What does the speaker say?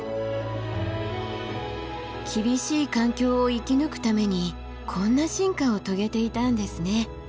厳しい環境を生き抜くためにこんな進化を遂げていたんですね。